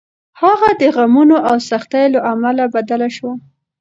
هغه د غمونو او سختیو له امله بدله شوه.